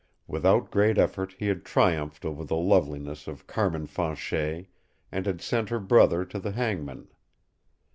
Without great effort he had triumphed over the loveliness of Carmin Fanchet and had sent her brother to the hangman.